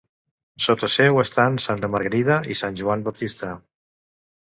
Sota seu estan santa Margarida i sant Joan Baptista.